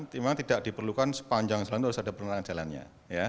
memang tidak diperlukan sepanjang jalan itu harus ada penerangan jalannya